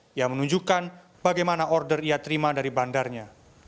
dia menunjukkan bagaimana order ia terima dari bandarnya